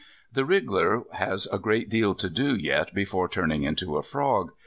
The wriggler has a great deal to do yet before turning into a frog.